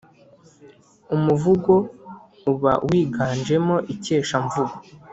umuvugo uba wiganjemo ikeshamvugo